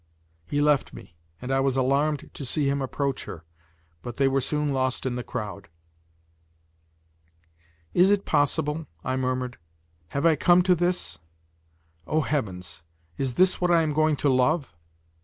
He left me, and I was alarmed to see him approach her. But they were soon lost in the crowd. "Is it possible," I murmured, "have I come to this? O, heavens! is this what I am going to love?